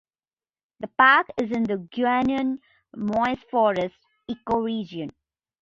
The park is in the Guianan moist forests ecoregion.